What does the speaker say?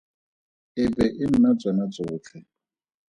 E be e nna tsona tsotlhe.